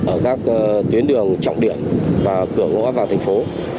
ở các tuyến đường trọng điểm và cửa ngõ vào thành phố